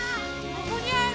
どこにある？